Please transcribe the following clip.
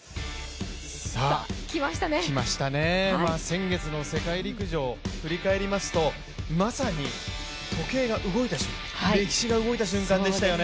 来ましたね、先月の世界陸上を振り返りますと、まさに時計が動いた、歴史が動いた瞬間でしたよね。